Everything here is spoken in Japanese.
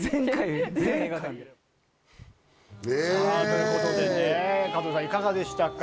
ということで加藤さん、いかがでしたか？